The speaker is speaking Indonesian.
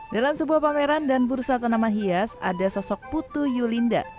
dalam sebuah pameran dan bursa tanaman hias ada sosok putu yulinda